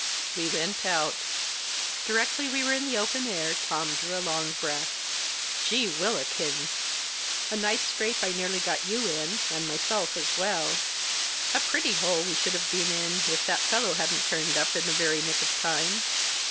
We went out. Directly we were in the open air Tom drew a long breath. " Geewhillikins ! A nice scrape I nearly got you in, and myself as well. A pretty hole we should have been in if that fellow hadn't turned up in the very nick of time.